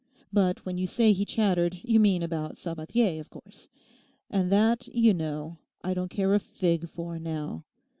But when you say he chattered, you mean about Sabathier, of course. And that, you know, I don't care a fig for now.